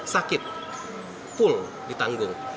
sakit full ditanggung